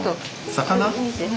魚。